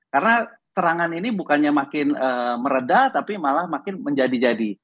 karena terangan ini bukannya makin meredah tapi malah makin menjadi jadi